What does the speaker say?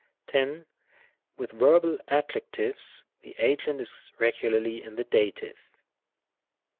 10. With verbal adjectives the agent is regularly in the Dative.